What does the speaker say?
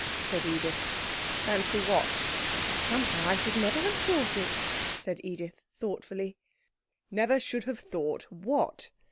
said Edith. 'Fancy what?' 'Somehow I never should have thought it,' said Edith thoughtfully. 'Never should have thought what?